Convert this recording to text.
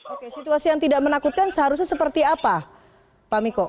oke situasi yang tidak menakutkan seharusnya seperti apa pak miko